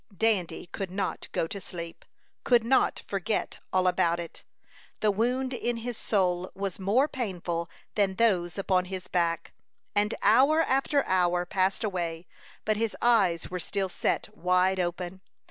Dandy could not go to sleep, could not forget all about it. The wound in his soul was more painful than those upon his back, and hour after hour passed away, but his eyes were still set wide open.